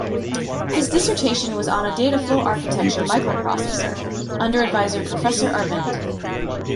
His dissertation was on a dataflow architecture microprocessor, under advisor Professor Arvind.